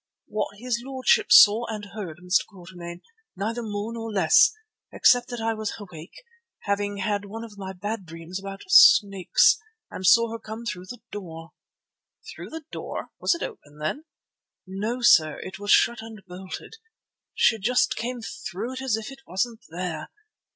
"What his lordship saw and heard, Mr. Quatermain, neither more nor less. Except that I was awake, having had one of my bad dreams about snakes, and saw her come through the door." "Through the door! Was it open then?" "No, sir, it was shut and bolted. She just came through it as if it wasn't there.